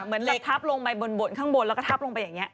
เหมือนเหล็กทับลงไปบนข้างบนแล้วก็ทับลงไปอย่างนี้